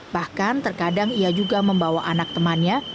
bahkan terkadang ia juga membawa anak temannya